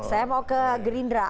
saya mau ke gerindra